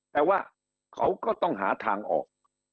แต่ว่าเขาก็ต้องหาทางออก